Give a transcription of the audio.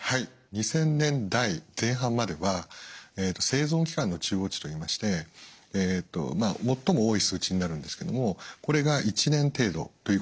２０００年代前半までは生存期間の中央値といいまして最も多い数値になるんですけどもこれが１年程度ということでした。